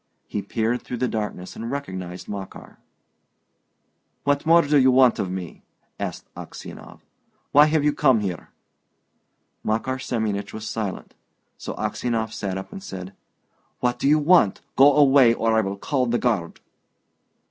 He peered through the darkness and recognised Makar. "What more do you want of me?" asked Aksionov. "Why have you come here?" Makar Semyonich was silent. So Aksionov sat up and said, "What do you want? Go away, or I will call the guard!"